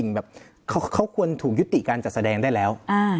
แบบเขาควรถูกยุติการจัดแสดงได้แล้ว